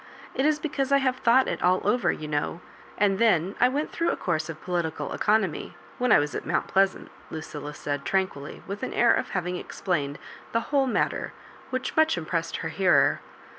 It is because I have thought it all over, you know — and then I went through a course of political economy, when I was at Mount Pleasant^" Lucilla said, tranquilly, with an air of having explained the whole matter, which much impressed her hearer.